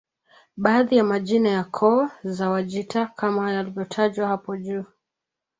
Baadhi ya majina ya koo za Wajita kama yalivyotajwa hapo juu